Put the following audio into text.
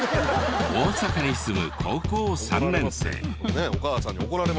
大阪に住む高校３年生。